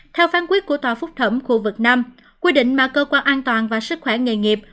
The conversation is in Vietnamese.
theo phán quyết của tòa phúc thẩm khu vực năm quy định mà cơ quan an toàn và sức khỏe nghề nghiệp